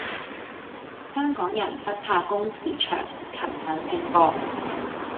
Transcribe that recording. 香港人不怕工時長，勤奮拼搏